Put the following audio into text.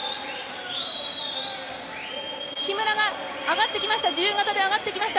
木村が上がってきました。